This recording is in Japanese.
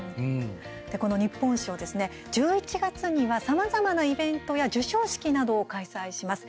この日本賞ですね１１月にはさまざまなイベントや授賞式などを開催します。